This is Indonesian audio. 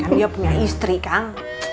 kan dia punya istri kang